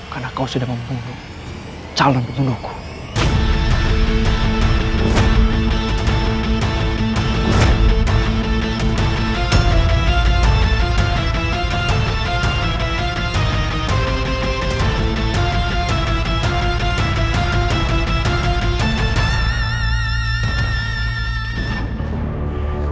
karena kau sudah membunuh calon penundukku